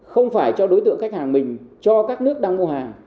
không phải cho đối tượng khách hàng mình cho các nước đang mua hàng